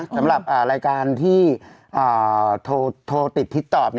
สำหรับรายการที่โทรติดทิศตอบ